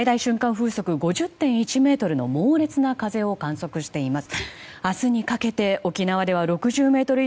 風速５０．１メートルの猛烈な風を観測しています。